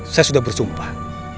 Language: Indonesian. saya sudah bersumpah